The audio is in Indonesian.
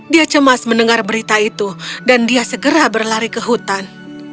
dia cemas mendengar berita itu dan dia segera berlari ke hutan